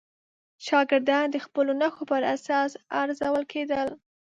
شاګردان د خپلو نښو پر اساس ارزول کېدل.